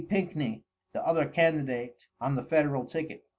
Pickney, the other candidate on the federal ticket.